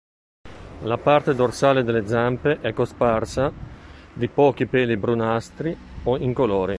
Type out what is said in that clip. La parte dorsale delle zampe è cosparsa di pochi peli brunastri o incolori.